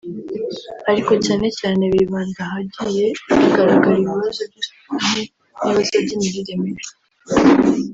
ariko cyane cyane bibanda ahagiye hagaragara ibibazo by’isuku nke n’ibibazo by’imirire mibi